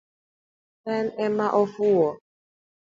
En ema ofuo